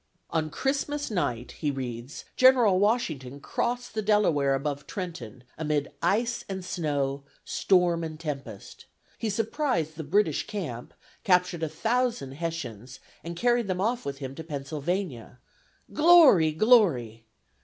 On Christmas night, he reads, General Washington crossed the Delaware above Trenton, amid ice and snow, storm and tempest. He surprised the British camp, captured a thousand Hessians and carried them off with him to Pennsylvania. Glory! glory!